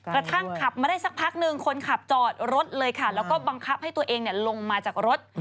กระทั่งขับมาได้สักพักหนึ่งคนขับจอดรถเลยค่ะแล้วก็บังคับให้ตัวเองลงมาจากรถ